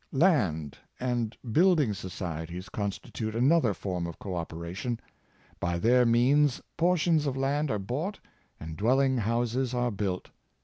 Land and building societies constitute another form of co operation. By their means portions of land are bought, and dwelling houses are built.